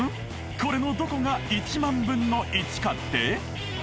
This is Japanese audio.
これのどこが１万分の１かって？